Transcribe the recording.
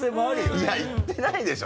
いやいってないでしょ